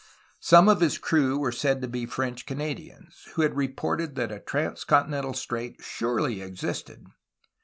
Some of his crew were said to be French Canadians, who had reported that a trans continental strait surely existed.